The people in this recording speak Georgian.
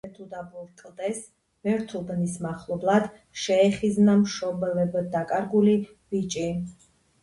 ერთ-ერთ უდაბურ კლდეს, ბერთუბნის მახლობლად, შეეხიზნა მშობლებდაკარგული ბიჭი.